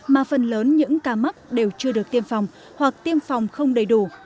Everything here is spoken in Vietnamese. mà phần lớn những ca mắc đều chưa được tiêm phòng hoặc tiêm phòng không đầy đủ